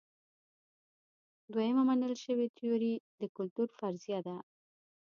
دویمه منل شوې تیوري د کلتور فرضیه ده.